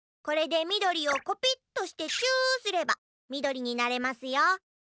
これでみどりをコピットしてチューすればみどりになれますよ。